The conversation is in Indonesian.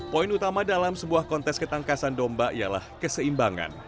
poin utama dalam sebuah kontes ketangkasan domba ialah keseimbangan